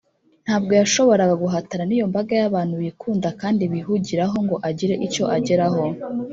. Ntabwo yashoboraga guhatana n’iyo mbaga y’abantu bikunda kandi bihugiraho ngo agire icyo ageraho